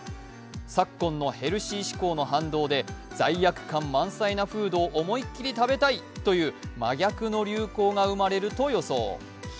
昨今のヘルシー志向の反動で罪悪感満載なフードを思いっきり食べたいという真逆の流行が生まれると予想。